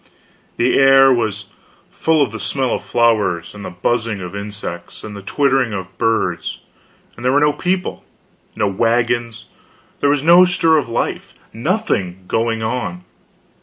The air was full of the smell of flowers, and the buzzing of insects, and the twittering of birds, and there were no people, no wagons, there was no stir of life, nothing going on.